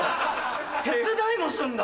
手伝いもするんだ。